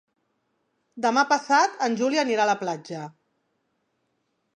Demà passat en Juli anirà a la platja.